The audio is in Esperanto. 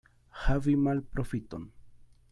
Havi malprofiton.